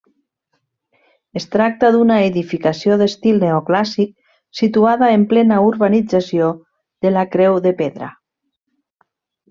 Es tracta d'una edificació d'estil neoclàssic situada en plena urbanització de la Creu de Pedra.